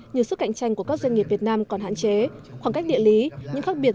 như sức cạnh tranh của các doanh nghiệp việt nam còn hạn chế khoảng cách địa lý những khác biệt